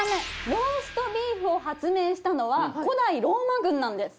ローストビーフを発明したのは古代ローマ軍なんです。